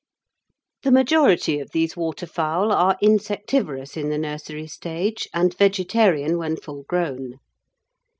The majority of these waterfowl are insectivorous in the nursery stage and vegetarian when full grown.